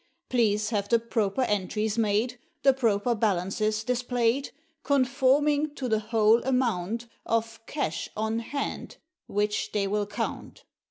Please have the proper entries made, The proper balances displayed, Conforming to the whole amount Of cash on hand which they will count.